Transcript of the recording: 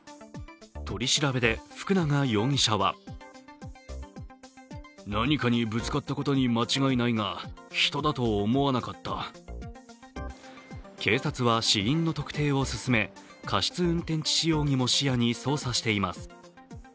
取り調べで福永容疑者は警察は死因の特定を進め、過失致死容疑の疑いで調べを進めています。